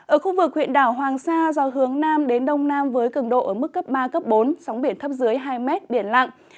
ở khu vực huyện đảo hoàng sa gió hướng nam đến đông nam với cường độ ở mức cấp ba bốn sóng biển thấp dưới hai mét biển lặng